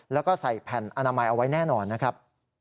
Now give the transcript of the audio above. แล้วก็ใส่แผ่นอนามัยเอาไว้แน่นอนนะครับ